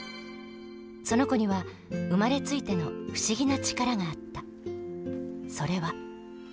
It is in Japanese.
その子には生まれついての不思議な力があった。